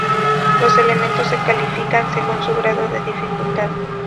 Los elementos se califican según su grado de dificultad.